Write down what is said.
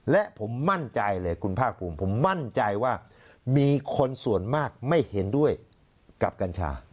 และผมมั่นใจเลยคุณภาคภูมิผมมั่นใจว่ามีคนส่วนมากไม่เห็นด้วยกับกัญชา